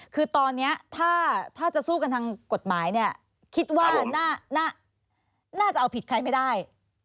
คือตอนนี้ถ้าจะสู้กันทางกฎหมายเนี่ยคิดว่าน่าจะเอาผิดใครไม่ได้